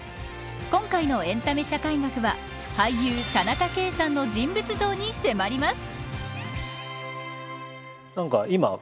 今回のエンタメ社会学は俳優田中圭さんの人物像に迫ります。